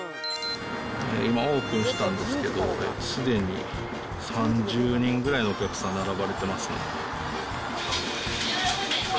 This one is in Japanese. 今、オープンしたんですけど、すでに３０人ぐらいのお客さん、並ばれてますね。